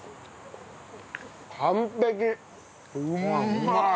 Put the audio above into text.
うまい！